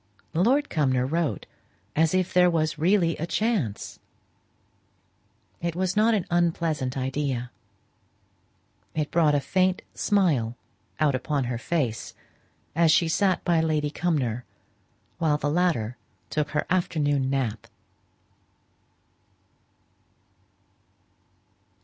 Lord Cumnor wrote as if there was really a chance. It was not an unpleasant idea; it brought a faint smile out upon her face, as she sat by Lady Cumnor, while the latter took her afternoon nap.